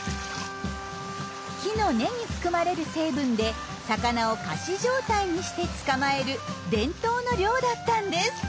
木の根に含まれる成分で魚を仮死状態にして捕まえる伝統の漁だったんです。